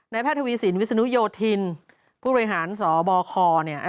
แพทย์ทวีสินวิศนุโยธินผู้บริหารสบคเนี่ย